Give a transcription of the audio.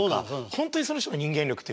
本当にその人の人間力っていうか。